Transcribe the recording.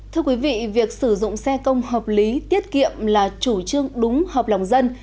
thưa quý vị việc sử dụng xe công hợp lý tiết kiệm là chủ trương đúng hợp lòng dân